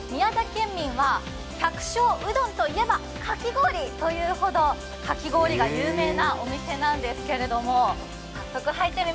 県民は百姓うどんといえばかき氷というほどかき氷が有名なお店なんです。